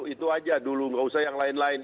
itu aja dulu nggak usah yang lain lain